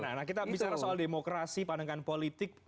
nah kita bicara soal demokrasi pandangan politik